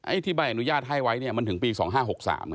ที่ใบอนุญาตให้ไว้เนี่ยมันถึงปี๒๕๖๓นะ